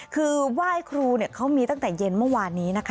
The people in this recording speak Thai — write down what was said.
คือไหว้ครูเขามีตั้งแต่เย็นเมื่อวานนี้นะคะ